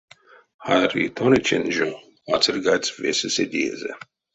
Харитонычень жо ацирьгадсь весе седеезэ.